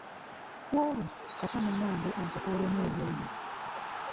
Ku olwo kata munnange ansokoolemu ebyenda.